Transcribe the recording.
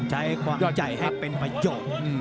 ใช้ความใจให้เป็นประโยชน์